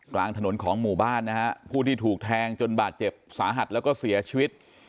กลางถนนของหมู่บ้านนะฮะผู้ที่ถูกแทงจนบาดเจ็บสาหัสแล้วก็เสียชีวิต